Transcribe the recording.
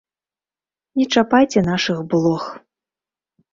Не чапайце нашых блох!